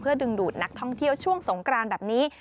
ดึงดูดนักท่องเที่ยวช่วงสงกรานแบบนี้